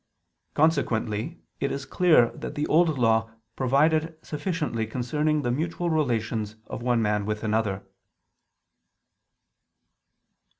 Consequently it is clear that the Old Law provided sufficiently concerning the mutual relations of one man with another.